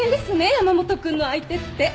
山本君の相手って。